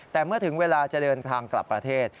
แต่เมื่อถึงเวลาจะเดินทางกลับประเทศ